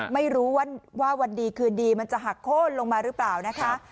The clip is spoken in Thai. ไม่รู้ว่าวันดีคืนดีมันจะหักโค้นลงมาหรือเปล่านะคะ